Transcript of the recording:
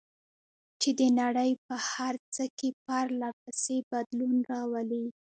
چې د نړۍ په هر څه کې پرله پسې بدلون راولي.